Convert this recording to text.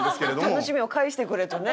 楽しみを返してくれとね。